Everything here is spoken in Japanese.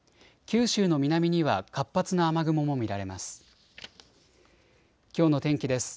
九州の南には活発な雨雲も見られます。